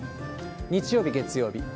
日曜日、月曜日。